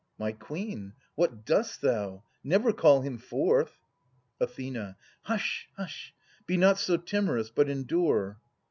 My Queen ! what dost thou ? Never call him forth. Ath. Hush, hush ! Be not so timorous, but endure.